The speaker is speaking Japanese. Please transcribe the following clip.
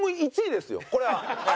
１位ですよこれは。